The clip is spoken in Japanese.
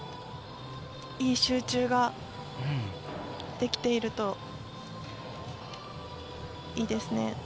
いい集中ができているといいですね。